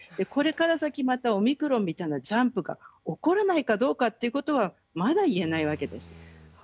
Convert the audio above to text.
それから先、オミクロンみたいなジャンプが起こらないかどうかというのはまだいえないわけです。